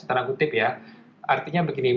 tanda kutip ya artinya begini